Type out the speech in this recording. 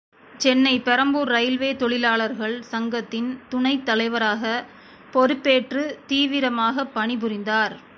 Chennai Perambur railway தொழிலாளர்கள் சங்கத்தின் துணைத் தலைவராகப் பொறுப்பேற்றுத் தீவிரமாகப் பணி புரிந்தார்.